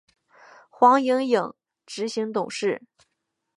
黄影影执行董事。